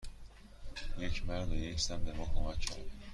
یک مرد و یک زن به ما کمک کردند.